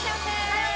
はい！